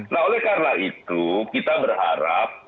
nah oleh karena itu kita berharap